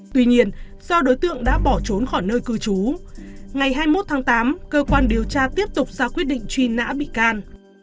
tuy nhiên do đối tượng đã bỏ trốn khỏi nơi cư trú ngày hai mươi một tháng tám cơ quan điều tra tiếp tục ra quyết định truy nã bị can